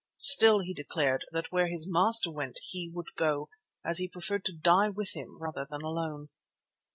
Still, he declared that where his master went he would go, as he preferred to die with him rather than alone.